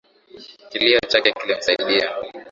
Kilio chake kilimsaidia.